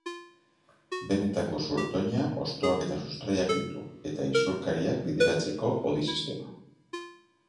Benetako zurtoina, hostoak eta sustraiak ditu, eta isurkariak bideratzeko hodi-sistema.